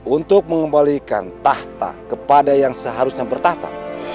untuk mengembalikan tahta kepada yang seharusnya bertahta